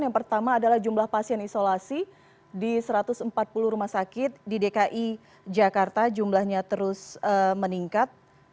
yang pertama adalah jumlah pasien isolasi di satu ratus empat puluh rumah sakit di dki jakarta jumlahnya terus meningkat